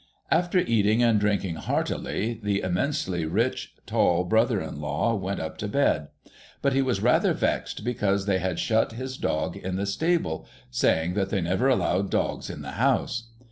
After eating and drinking heartily, the immensely rich, tall brother in law went up to bed ; but he was rather vexed, because they had shut his dog in the stable, saying that they never allowed dogs in the house.